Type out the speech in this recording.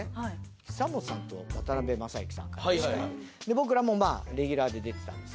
久本さんと渡辺正行さんが司会で僕らもまあレギュラーで出てたんですよ。